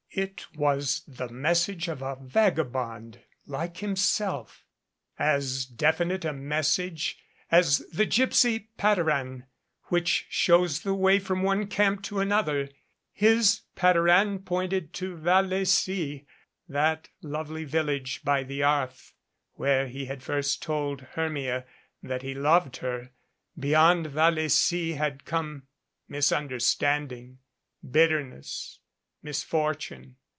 It was the message of a vagabond like himself, as definite a message as the gypsy patter an which shows the way from one camp to another. His patter an pointed to Vallecy, that lovely village by the Arth where he had first told Hermia that he loved her. Beyond Vallecy had come mis understanding, bitterness, misfortune.